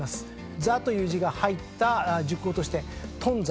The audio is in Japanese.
「挫」という字が入った熟語として頓挫。